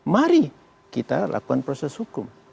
mari kita lakukan proses hukum